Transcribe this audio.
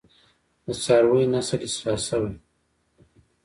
د څارویو نسل اصلاح شوی؟